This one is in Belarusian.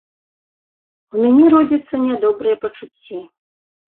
У мяне родзяцца нядобрыя пачуцці.